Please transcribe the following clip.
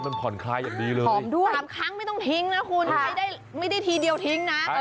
มันผ่อนคลายอย่างดีเลยผอมด้วย๓ครั้งไม่ต้องทิ้งนะคุณใช้ได้ไม่ได้ทีเดียวทิ้งนะ